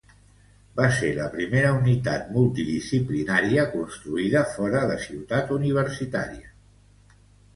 Va ser la primera unitat multidisciplinària construïda fora de Ciutat Universitària.